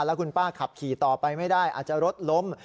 แล้วคุณป้าขับขี่ต่อไปไม่ได้อาจจะรถล้ม